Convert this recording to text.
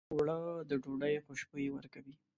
اوړه د ډوډۍ خوشبويي ورکوي